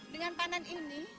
dengan pandan ini